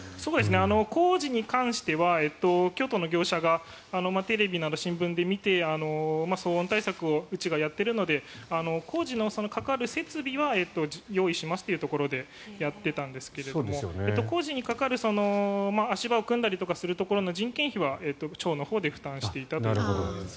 工事に関しては京都の業者がテレビや新聞などを見て騒音対策をうちがやっているので工事のかかる設備は用意しますというところでやっていたんですけども工事にかかる足場を組んだりするところとかの人件費は町のほうで負担していたと。